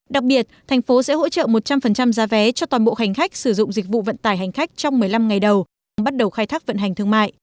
đặc biệt thành phố sẽ hỗ trợ một trăm linh giá vé cho toàn bộ hành khách sử dụng dịch vụ vận tải hành khách trong một mươi năm ngày đầu trong bắt đầu khai thác vận hành thương mại